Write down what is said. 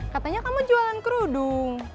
katanya kamu jualan kerudung